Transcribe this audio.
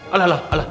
alah alah alah